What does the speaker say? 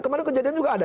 kemarin kejadian juga ada